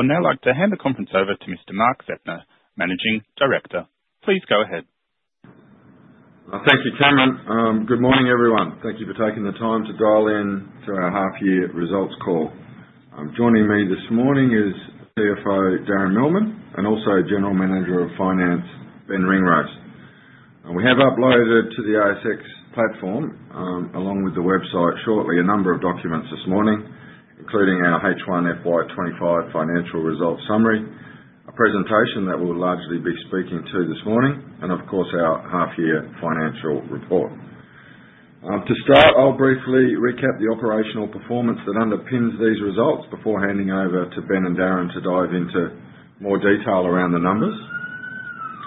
I'll now like to hand the conference over to Mr. Mark Zeptner, Managing Director. Please go ahead. Thank you, Cameron. Good morning, everyone. Thank you for taking the time to dial in to our half-year results call. Joining me this morning is CFO Darren Millman and also General Manager of Finance, Ben Ringrose. We have uploaded to the ASX platform, along with the website, shortly a number of documents this morning, including our H1 FY '25 Financial Results Summary, a presentation that we'll largely be speaking to this morning, and of course our half-year financial report. To start, I'll briefly recap the operational performance that underpins these results before handing over to Ben and Darren to dive into more detail around the numbers.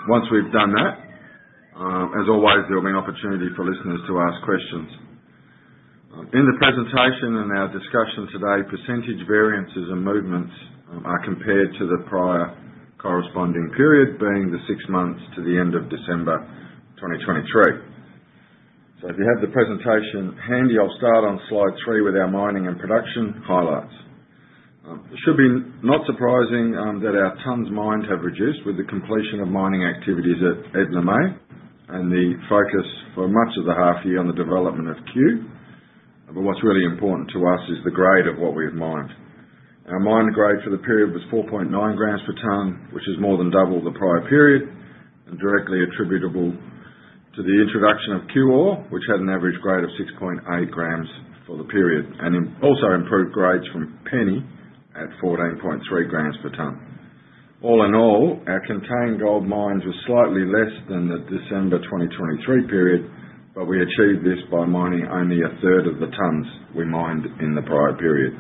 Once we've done that, as always, there'll be an opportunity for listeners to ask questions. In the presentation and our discussion today, percentage variances and movements are compared to the prior corresponding period, being the six months to the end of December 2023. If you have the presentation handy, I'll start on slide three with our mining and production highlights. It should not be surprising that our tons mined have reduced with the completion of mining activities at Edna May and the focus for much of the half-year on the development of Cue. What's really important to us is the grade of what we've mined. Our mined grade for the period was 4.9 grams per ton, which is more than double the prior period and directly attributable to the introduction of Cue ore, which had an average grade of 6.8 grams for the period, and also improved grades from Penny at 14.3 grams per ton. All in all, our contained gold mined was slightly less than the December 2023 period, but we achieved this by mining only a third of the tons we mined in the prior period.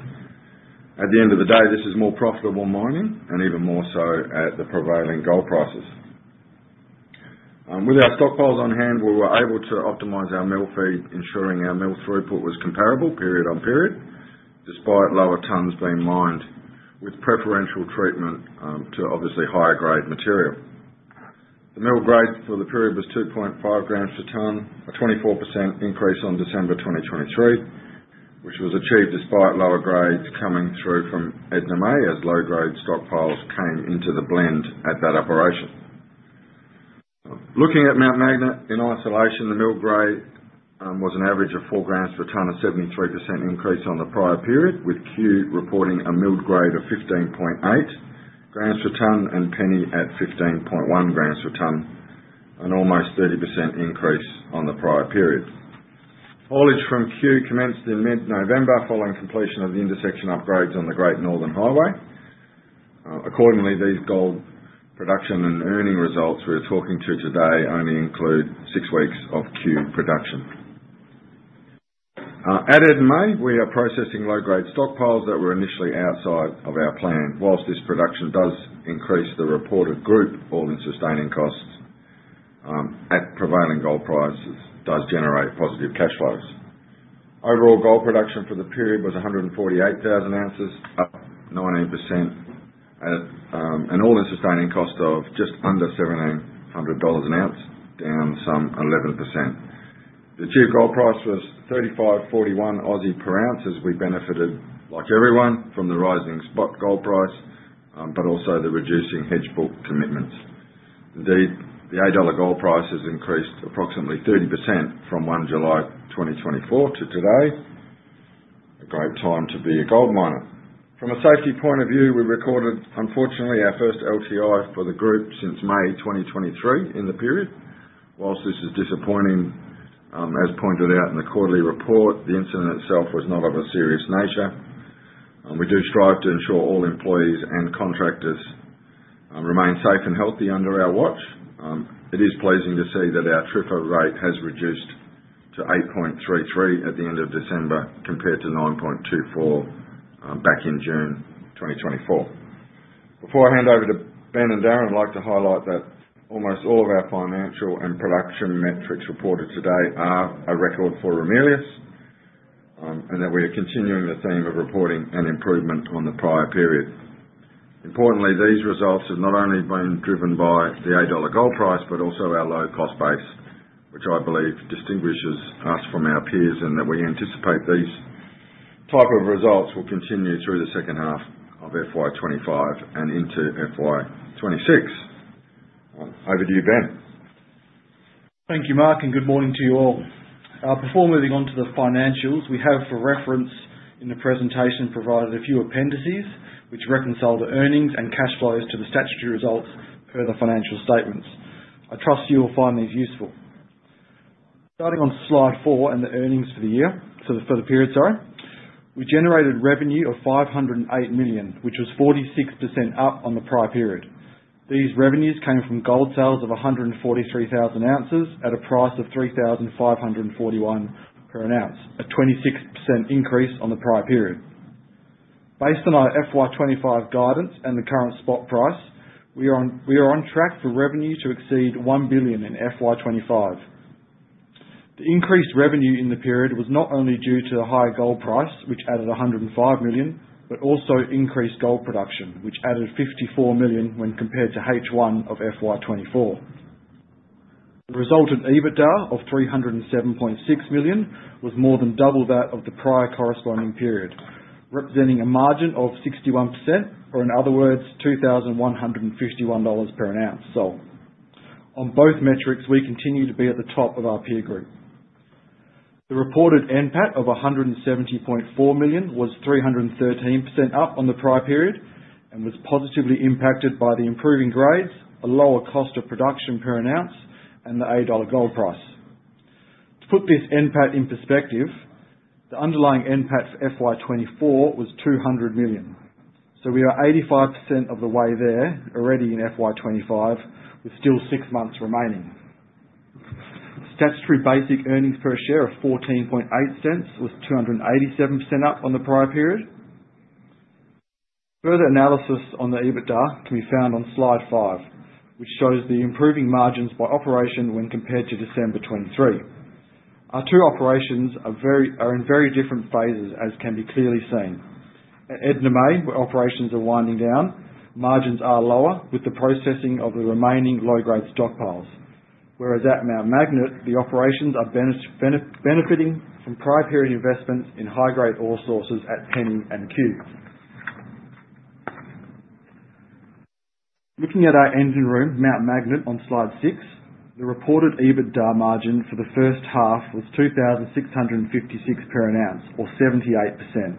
At the end of the day, this is more profitable mining and even more so at the prevailing gold prices. With our stockpiles on hand, we were able to optimize our mill feed, ensuring our mill throughput was comparable period-on-period, despite lower tons being mined with preferential treatment to obviously higher grade material. The mill grade for the period was 2.5 grams per ton, a 24% increase on December 2023, which was achieved despite lower grades coming through from Edna May as low-grade stockpiles came into the blend at that operation. Looking at Mount Magnet in isolation, the mill grade was an average of four grams per ton, a 73% increase on the prior period, with Cue reporting a milled grade of 15.8 grams per ton and Penny at 15.1 grams per ton, an almost 30% increase on the prior period. Haulage from Cue commenced in mid-November following completion of the intersection upgrades on the Great Northern Highway. Accordingly, these gold production and earnings results we're talking to today only include six weeks of Cue production. At Edna May, we are processing low-grade stockpiles that were initially outside of our plan. While this production does increase the reported group all-in sustaining costs at prevailing gold prices, it does generate positive cash flows. Overall gold production for the period was 148,000 ounces, up 19%, and all-in sustaining cost of just under 1,700 dollars an ounce, down some 11%. The achieved gold price was 3,541 per ounce. We benefited, like everyone, from the rising spot gold price, but also the reducing hedge book commitments. Indeed, the AUD gold price has increased approximately 30% from 1 July 2024 to today, a great time to be a gold miner. From a safety point of view, we recorded, unfortunately, our first LTI for the group since May 2023 in the period. While this is disappointing, as pointed out in the quarterly report, the incident itself was not of a serious nature. We do strive to ensure all employees and contractors remain safe and healthy under our watch. It is pleasing to see that our TRIFR rate has reduced to 8.33 at the end of December compared to 9.24 back in June 2024. Before I hand over to Ben and Darren, I'd like to highlight that almost all of our financial and production metrics reported today are a record for Ramelius and that we are continuing the theme of reporting and improvement on the prior period. Importantly, these results have not only been driven by the $8 gold price, but also our low cost base, which I believe distinguishes us from our peers and that we anticipate these type of results will continue through the second half of FY '25 and into FY '26. Over to you, Ben. Thank you, Mark, and good morning to you all. Before moving on to the financials, we have for reference in the presentation provided a few appendices which reconciled the earnings and cash flows to the statutory results per the financial statements. I trust you will find these useful. Starting on slide four and the earnings for the year, for the period, sorry, we generated revenue of 508 million, which was 46% up on the prior period. These revenues came from gold sales of 143,000 ounces at a price of 3,541 per ounce, a 26% increase on the prior period. Based on our FY '25 guidance and the current spot price, we are on track for revenue to exceed 1 billion in FY '25. The increased revenue in the period was not only due to the high gold price, which added 105 million, but also increased gold production, which added 54 million when compared to H1 of FY '24. The resultant EBITDA of 307.6 million was more than double that of the prior corresponding period, representing a margin of 61%, or in other words, 2,151 dollars per ounce. On both metrics, we continue to be at the top of our peer group. The reported NPAT of 170.4 million was 313% up on the prior period and was positively impacted by the improving grades, a lower cost of production per ounce, and the AUD gold price. To put this NPAT in perspective, the underlying NPAT for FY '24 was 200 million. We are 85% of the way there already in FY '25 with still six months remaining. Statutory basic earnings per share of 0.148 was 287% up on the prior period. Further analysis on the EBITDA can be found on slide five, which shows the improving margins by operation when compared to December 2023. Our two operations are in very different phases, as can be clearly seen. At Edna May, where operations are winding down, margins are lower with the processing of the remaining low-grade stockpiles, whereas at Mount Magnet, the operations are benefiting from prior-period investments in high-grade ore sources at Penny and Cue. Looking at our engine room, Mount Magnet on slide six, the reported EBITDA margin for the first half was 2,656 per ounce, or 78%.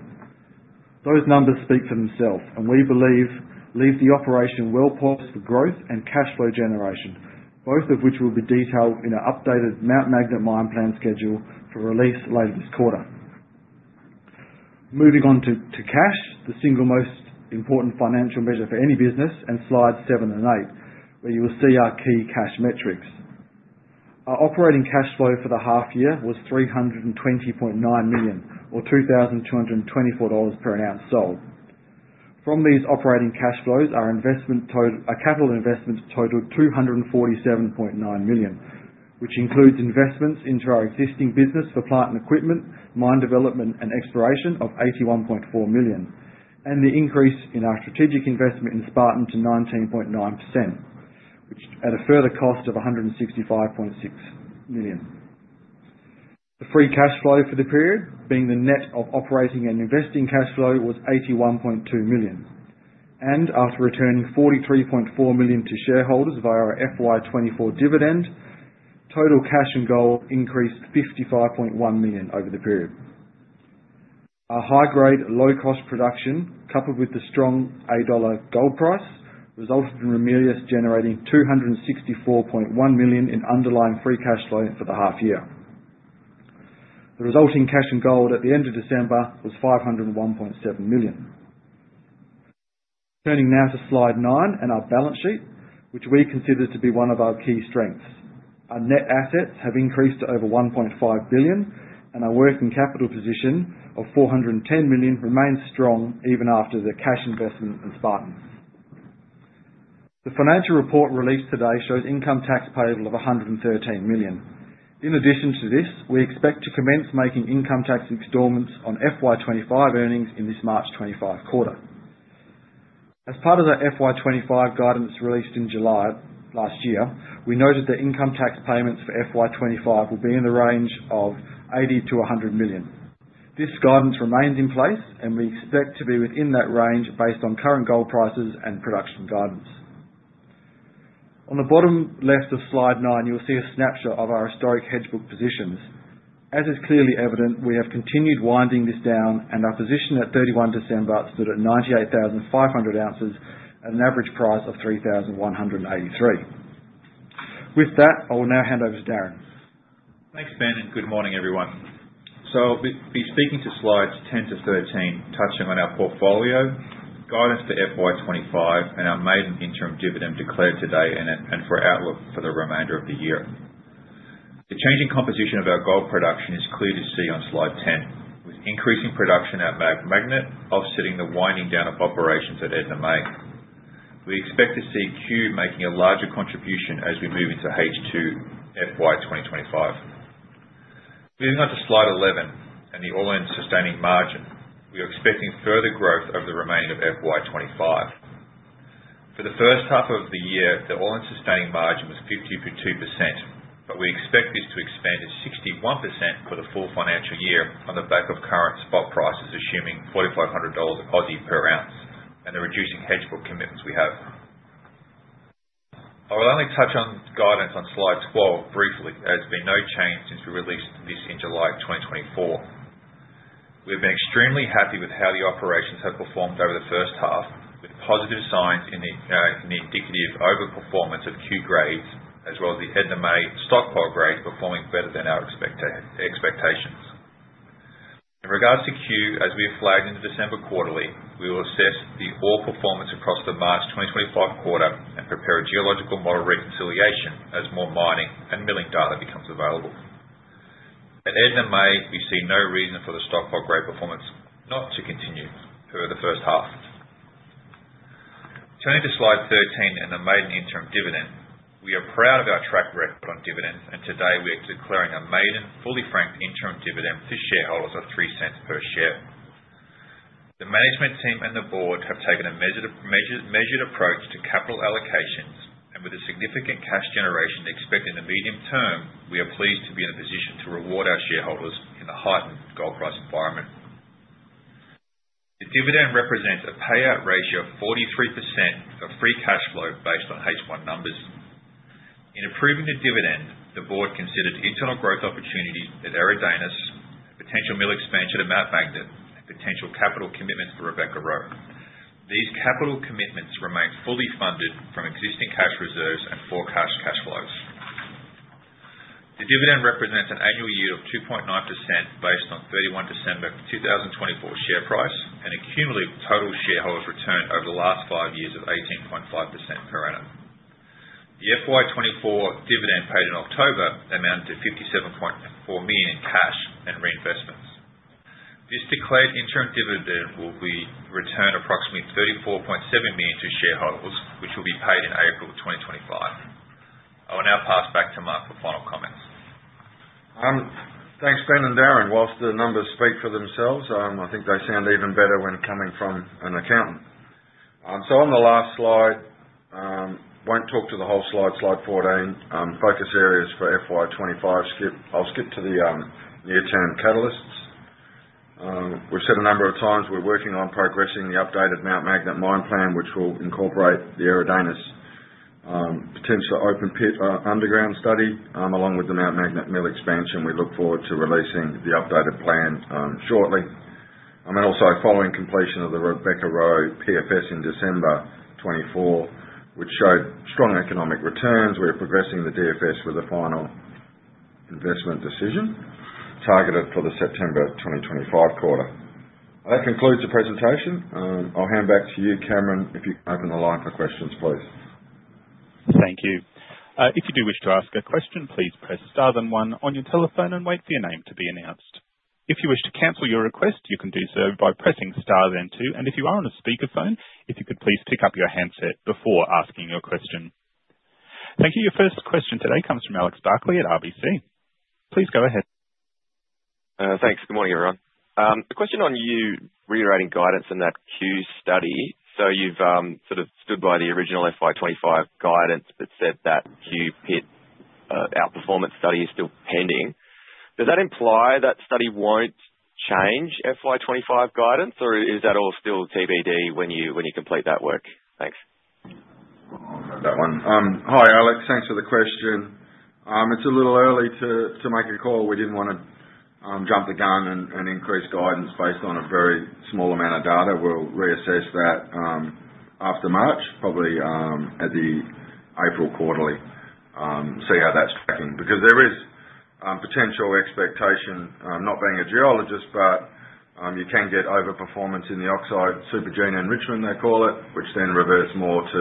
Those numbers speak for themselves, and we believe leave the operation well-poised for growth and cash flow generation, both of which will be detailed in an updated Mount Magnet mine plan schedule for release later this quarter. Moving on to cash, the single most important financial measure for any business, and slides seven and eight, where you will see our key cash metrics. Our operating cash flow for the half-year was 320.9 million, or 2,224 dollars per ounce sold. From these operating cash flows, our capital investment totaled 247.9 million, which includes investments into our existing business for plant and equipment, mine development, and exploration of 81.4 million, and the increase in our strategic investment in Spartan to 19.9%, which at a further cost of 165.6 million. The free cash flow for the period, being the net of operating and investing cash flow, was 81.2 million. And after returning 43.4 million to shareholders via our FY '24 dividend, total cash and gold increased 55.1 million over the period. Our high-grade, low-cost production, coupled with the strong A-Dollar gold price, resulted in Ramelius generating 264.1 million in underlying free cash flow for the half-year. The resulting cash and gold at the end of December was 501.7 million. Turning now to slide nine and our balance sheet, which we consider to be one of our key strengths. Our net assets have increased to over 1.5 billion, and our working capital position of 410 million remains strong even after the cash investment in Spartan. The financial report released today shows income tax payable of 113 million. In addition to this, we expect to commence making income tax installments on FY '25 earnings in this March 2025 quarter. As part of the FY '25 guidance released in July last year, we noted that income tax payments for FY '25 will be in the range of 80 million-100 million. This guidance remains in place, and we expect to be within that range based on current gold prices and production guidance. On the bottom left of slide nine, you'll see a snapshot of our historic hedge book positions. As is clearly evident, we have continued winding this down, and our position at 31 December stood at 98,500 ounces at an average price of 3,183. With that, I will now hand over to Darren. Thanks, Ben, and good morning, everyone, so I'll be speaking to slides 10 to 13, touching on our portfolio, guidance for FY '25, and our maiden interim dividend declared today, and the outlook for the remainder of the year. The changing composition of our gold production is clear to see on slide 10, with increasing production at Mount Magnet offsetting the winding down of operations at Edna May. We expect to see Cue making a larger contribution as we move into H2 FY 2025. Moving on to slide 11 and the all-in sustaining margin, we are expecting further growth over the remainder of FY '25. For the first half of the year, the all-in sustaining margin was 52%, but we expect this to expand to 61% for the full financial year on the back of current spot prices, assuming 4,500 Aussie dollars per ounce and the reducing hedge book commitments we have. I will only touch on guidance on slide 12 briefly, as there's been no change since we released this in July 2024. We have been extremely happy with how the operations have performed over the first half, with positive signs in the indicative overperformance of Cue grades, as well as the Edna May stockpile grades performing better than our expectations. In regards to Cue, as we have flagged in the December quarterly, we will assess the ore performance across the March 2025 quarter and prepare a geological model reconciliation as more mining and milling data becomes available. At Edna May, we see no reason for the stockpile grade performance not to continue for the first half. Turning to slide 13 and the maiden interim dividend, we are proud of our track record on dividends, and today we are declaring a maiden, fully franked interim dividend to shareholders of 0.03 per share. The management team and the board have taken a measured approach to capital allocations, and with a significant cash generation expected in the medium term, we are pleased to be in a position to reward our shareholders in the heightened gold price environment. The dividend represents a payout ratio of 43% for free cash flow based on H1 numbers. In approving the dividend, the board considered internal growth opportunities at Eridanus, potential mill expansion at Mount Magnet, and potential capital commitments for Rebecca-Roe. These capital commitments remain fully funded from existing cash reserves and forecast cash flows. The dividend represents an annual yield of 2.9% based on 31 December 2024 share price and a cumulative total shareholders' return over the last five years of 18.5% per annum. The FY '24 dividend paid in October amounted to 57.4 million in cash and reinvestments. This declared interim dividend will be returned approximately 34.7 million to shareholders, which will be paid in April 2025. I will now pass back to Mark for final comments. Thanks, Ben and Darren. While the numbers speak for themselves, I think they sound even better when coming from an accountant. So on the last slide, won't talk to the whole slide, slide 14, focus areas for FY '25. I'll skip to the near-term catalysts. We've said a number of times we're working on progressing the updated Mount Magnet mine plan, which will incorporate the Eridanus potential open pit underground study, along with the Mount Magnet mill expansion. We look forward to releasing the updated plan shortly. And also following completion of the Rebecca-Roe PFS in December 2024, which showed strong economic returns, we are progressing the DFS with a final investment decision targeted for the September 2025 quarter. That concludes the presentation. I'll hand back to you, Cameron, if you can open the line for questions, please. Thank you. If you do wish to ask a question, please press * then 1 on your telephone and wait for your name to be announced. If you wish to cancel your request, you can do so by pressing * then 2. And if you are on a speakerphone, if you could please pick up your handset before asking your question. Thank you. Your first question today comes from Alex Barkley at RBC. Please go ahead. Thanks. Good morning, everyone. The question on you reiterating guidance in that Cue study, so you've sort of stood by the original FY '25 guidance, but said that Cue pit outperformance study is still pending. Does that imply that study won't change FY '25 guidance, or is that all still TBD when you complete that work? Thanks. I'll hand that one. Hi, Alex. Thanks for the question. It's a little early to make a call. We didn't want to jump the gun and increase guidance based on a very small amount of data. We'll reassess that after March, probably at the April quarterly, see how that's tracking. Because there is potential expectation, not being a geologist, but you can get overperformance in the oxide, supergene enrichment, they call it, which then reverts more to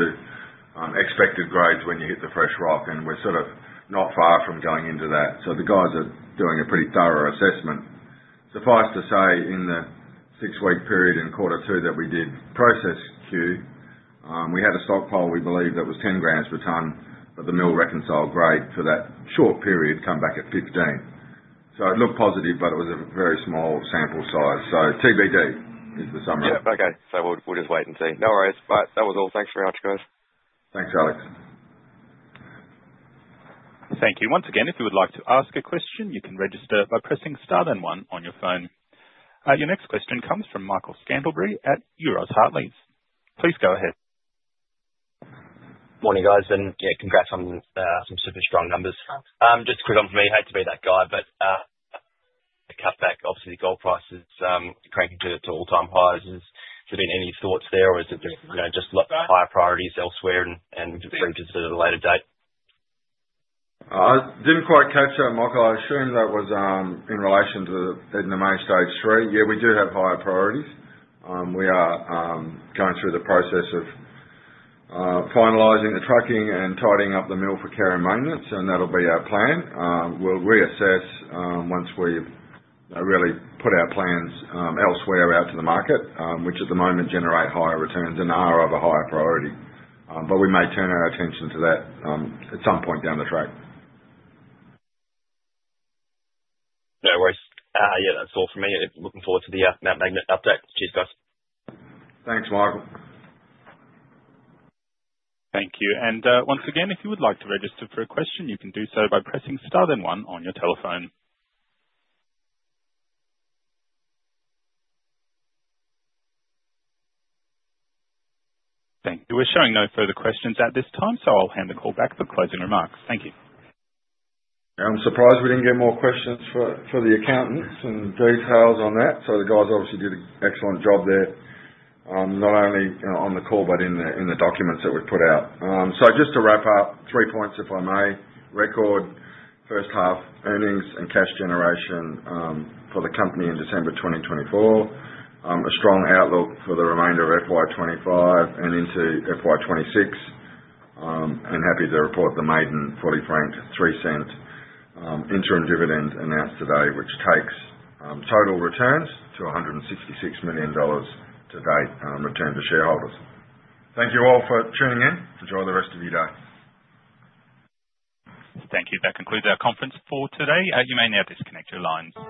expected grades when you hit the fresh rock. And we're sort of not far from going into that. So the guys are doing a pretty thorough assessment. Suffice to say, in the six-week period in quarter two that we did process Cue, we had a stockpile we believed that was 10 grams per ton, but the mill reconciled grade for that short period come back at 15. So it looked positive, but it was a very small sample size. So TBD is the summary. Yeah, okay. So we'll just wait and see. No worries. But that was all. Thanks very much, guys. Thanks, Alex. Thank you. Once again, if you would like to ask a question, you can register by pressing * then 1 on your phone. Your next question comes from Michael Scantlebury at Euroz Hartleys. Please go ahead. Morning, guys. And yeah, congrats on some super strong numbers. Just quick on for me, hate to be that guy, but a cutback, obviously, the gold price is cranking to all-time highs. Has there been any thoughts there, or is it just higher priorities elsewhere and registered at a later date? I didn't quite catch that, Michael. I assumed that was in relation to Edna May stage three. Yeah, we do have higher priorities. We are going through the process of finalizing the trucking and tidying up the mill for care and maintenance, and that'll be our plan. We'll reassess once we've really put our plans elsewhere out to the market, which at the moment generate higher returns and are of a higher priority. But we may turn our attention to that at some point down the track. No worries. Yeah, that's all from me. Looking forward to the Mount Magnet update. Cheers, guys. Thanks, Michael. Thank you. And once again, if you would like to register for a question, you can do so by pressing * then 1 on your telephone. Thank you. We're showing no further questions at this time, so I'll hand the call back for closing remarks. Thank you. I'm surprised we didn't get more questions for the accountants and details on that. So the guys obviously did an excellent job there, not only on the call but in the documents that we put out. So just to wrap up, three points, if I may. Record first half earnings and cash generation for the company in December 2024. A strong outlook for the remainder of FY '25 and into FY '26. And happy to report the maiden, fully franked, 0.03 interim dividend announced today, which takes total returns to 166 million dollars to date, returned to shareholders. Thank you all for tuning in. Enjoy the rest of your day. Thank you. That concludes our conference for today. You may now disconnect your lines.